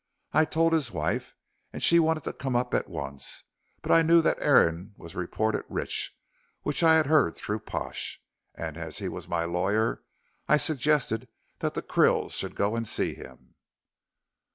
I told his wife, and she wanted to come up at once. But I knew that Aaron was reported rich which I had heard through Pash and as he was my lawyer, I suggested that the Krills should go and see him."